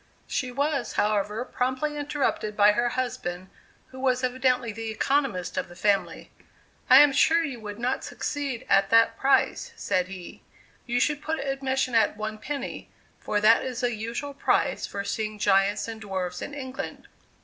She was, however, promptly interrupted by her husband, who was evidently the economist of the family: "I am sure you would not succeed at that price," said he; "you should put admission at one penny, for that is the usual price for seeing giants and dwarfs in England."